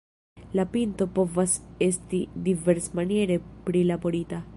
La pinto povas esti diversmaniere prilaborita.